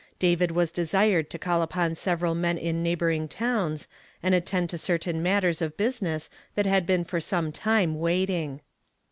David was desired to call upon several men in neigbbor ing towns, and attend to certain matters of busi ness tbat bad been for some time Avaitino